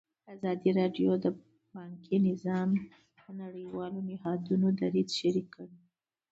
ازادي راډیو د بانکي نظام د نړیوالو نهادونو دریځ شریک کړی.